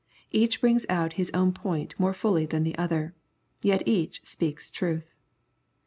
Each brings out his own point more fully than the other. Yet each speaks truth.